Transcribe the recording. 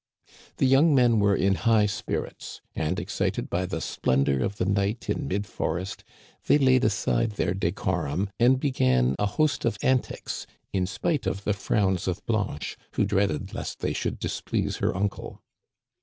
The young men were in high spirits, and, excited by the splendor of the night in mid forest, they laid aside their decorum and began a host of antics, in spite of the frowns of Blanche, who dreaded lest they should dis please her uncle.